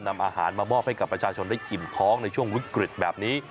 นำอาหารมามอบให้กับประชาชนได้อิ่มท้องในช่วงวิกฤตแบบนี้